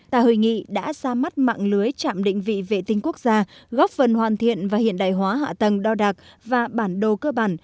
tại hội nghị đã ra mắt mạng lưới chạm định vị vệ tinh quốc gia góp phần hoàn thiện và hiện đại hóa hạ tầng đo đạc và bản đồ cơ bản